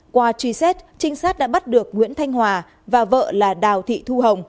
qua truy xét trinh sát đã bắt được nguyễn thanh hòa và vợ là đào thị thu hồng